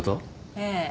ええ。